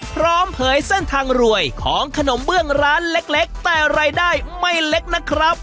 เผยเส้นทางรวยของขนมเบื้องร้านเล็กแต่รายได้ไม่เล็กนะครับ